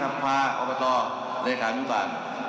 สมาธิศภาคบัฒน์อบตเลยถามอย่างกว่า